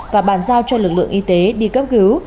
và bàn giao cho lực lượng y tế đi cấp cứu